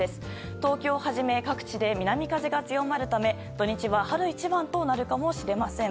東京をはじめ各地で南風が強まるため土日は春一番となるかもしれません。